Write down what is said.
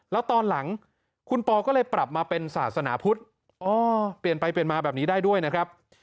แล้วตอนหลังคุณปอก็เลยปรับมาเป็นศาสนาพุทธอ๋อเปลี่ยนไปเปลี่ยนมาแบบนี้ได้ด้วยนะครับ